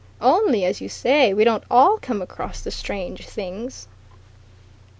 Only, as you say, we don't all come across the strange things."